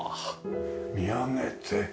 見上げて。